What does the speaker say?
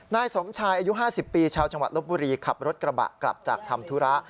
นายสมชายอายุ๕๐ปีชาวจังหวัดลบบุรีขับรถกระบะกลับจากทำธุระ